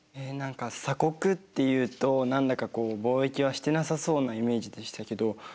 何か鎖国っていうと何だかこう貿易はしてなさそうなイメージでしたけど。